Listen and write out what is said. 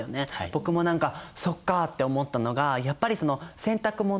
僕も何かそっかって思ったのがやっぱり洗濯物をね